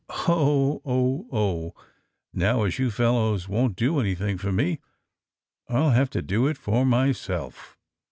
Oh ! oh ! oh 1 Now, ^s you fellows won't do anything for me I shall have to do it for myself."